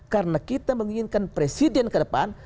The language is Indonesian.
karena kita menginginkan presiden ke depan